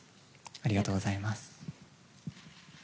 ありがとうございます。